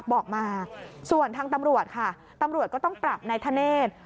บอกมาส่วนทางตำรวจค่ะตำรวจก็ต้องปรับนายธเนธ